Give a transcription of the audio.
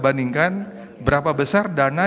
bandingkan berapa besar dana